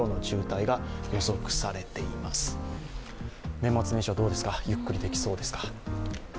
年末年始はどうですか、ゆっくりできそうですか？